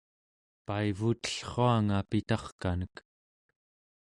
paivutellruanga pitarkanek